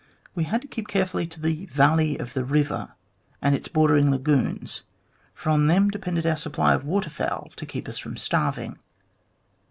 We had to keep carefully to the valley of the river and its bordering lagoons, for on them depended our supply of water fowl to keep us from starving.